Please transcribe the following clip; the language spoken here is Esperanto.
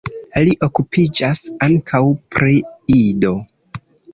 Li okupiĝas ankaŭ pri Ido.